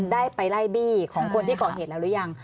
ได้ไปไล่บี้ของคนที่ก่อเหตุแล้วหรือยัง